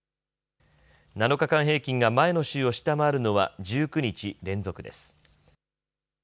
７日間平均が前の週を下回るのは１９日連続です。